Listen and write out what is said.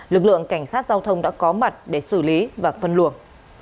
lực lượng cảnh sát giao thông đã có mặt để xử lý và phân luồng